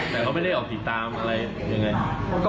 แต่เขาไม่ได้ออกติดตามอะไรยังไง